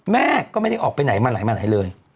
แม่ก็ไม่ได้ออกไปไหนมาไหนมาไหนเลย